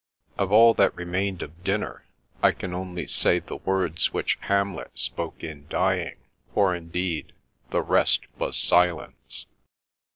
Of all that remained of dinner, I can only say the words which Hamlet spoke in dying; for indeed, " the rest was silence."